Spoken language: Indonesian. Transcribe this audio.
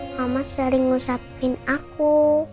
mama sering ngerusakin aku